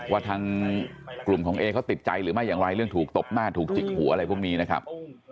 ว่าทางกลุ่มของเอเขาติดใจหรือไม่อย่างไรเรื่องถูกตบหน้าถูกจิกหัวอะไรพวกนี้นะครับ